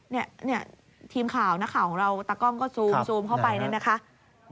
เนี่ยทีมข่าวนักข่าวของเราตากล้องก็ซูมเข้าไปเนี่ยนะคะ